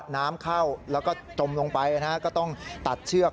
น้ำเข้าแล้วก็จมลงไปก็ต้องตัดเชือก